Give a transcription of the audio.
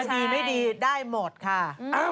ดีไม่ดีได้หมดค่ะ